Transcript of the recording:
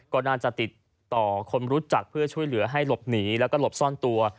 ก็น่าจะติดต่อคนรู้จักเพื่อช่วยเหลือให้หลบหนีแล้วก็หลบซ่อนตัว